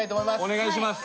お願いします！